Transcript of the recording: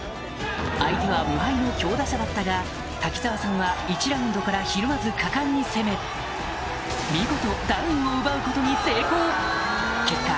相手は無敗の強打者だったが瀧澤さんは１ラウンドからひるまず果敢に攻め見事ダウンを奪うことに成功結果